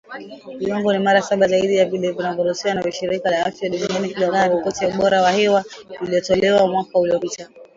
Viwango ni mara saba zaidi ya vile vinavyoruhusiwa na shirika la afya duniani , kulingana na ripoti ya ubora wa hewa iliyotolewa mwaka uliopita